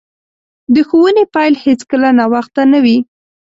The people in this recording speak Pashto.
د ښوونې پیل هیڅکله ناوخته نه وي.